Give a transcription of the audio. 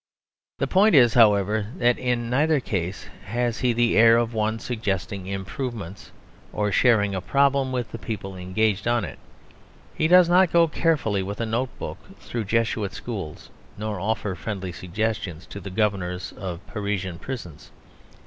The point is, however, that in neither case has he the air of one suggesting improvements or sharing a problem with the people engaged on it. He does not go carefully with a notebook through Jesuit schools nor offer friendly suggestions to the governors of Parisian prisons.